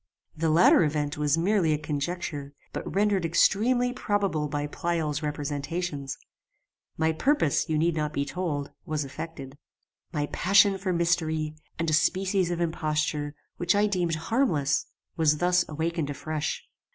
The latter event was merely a conjecture, but rendered extremely probable by Pleyel's representations. My purpose, you need not be told, was effected. "My passion for mystery, and a species of imposture, which I deemed harmless, was thus awakened afresh.